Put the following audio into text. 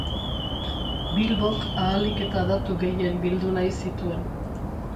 Bilbok ahalik eta datu gehien bildu nahi zituen.